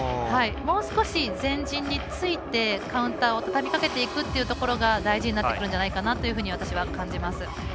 もう少し前陣についてカウンターを畳み掛けていくというところが大事になってくるんじゃないかなと私は感じます。